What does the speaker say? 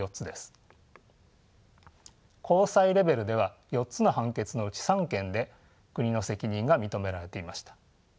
高裁レベルでは４つの判決のうち３件で国の責任が認められていました。